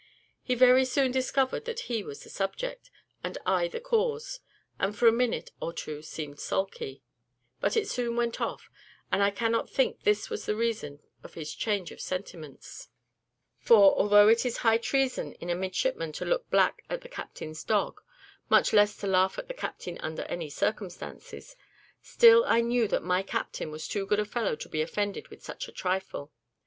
He very soon discovered that he was the subject, and I the cause, and for a minute or two seemed sulky; but it soon went off, and I cannot think this was the reason of his change of sentiments; for, although it is high treason in a midshipman to look black at the captain's dog, much less to laugh at the captain under any circumstances, still I knew that my captain was too good a fellow to be offended with such a trifle.